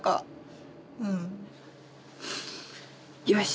よし！